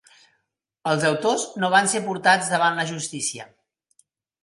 Els autors no van ser portats davant la justícia.